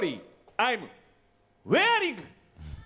アイムウェアリング！